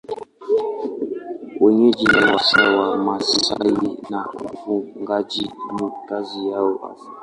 Wenyeji ni hasa Wamasai na ufugaji ni kazi yao hasa.